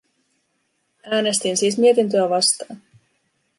Äänestin siis mietintöä vastaan.